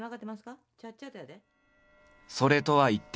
それとは一転。